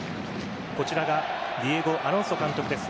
こちらがディエゴ・アロンソ監督です。